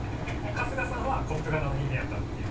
春日さんはコップ型の人間だったっていう。